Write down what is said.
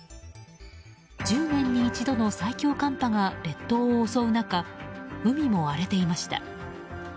１０年に一度の最強寒波が列島を襲う中海も荒れていました。